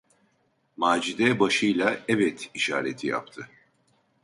Macide başıyla evet işareti yaptı.